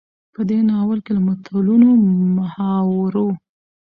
په دې ناول کې له متلونو، محاورو،